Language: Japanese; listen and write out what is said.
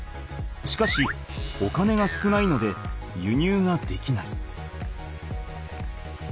しかしお金が少ないので輸入ができない。